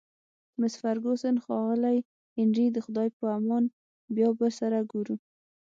مس فرګوسن: ښاغلی هنري، د خدای په امان، بیا به سره ګورو.